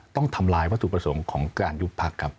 ต้องทำลายวัตถุประสงค์ของการยุบพักครับ